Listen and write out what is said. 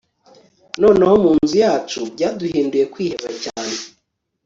noneho munzu yacu byaduhinduye kwiheba cyane